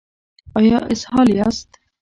ایا اسهال یاست؟